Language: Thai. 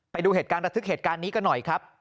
ไปดูเหตุการณ์ระทึกเหตุการณ์นี้กันหน่อยครับ